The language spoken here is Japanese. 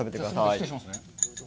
失礼しますね。